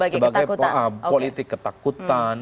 sebagai politik ketakutan